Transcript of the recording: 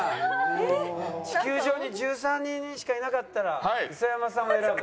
地球上に１３人しかいなかったら磯山さんを選ぶ。